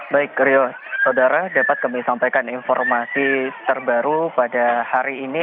baik rio saudara dapat kami sampaikan informasi terbaru pada hari ini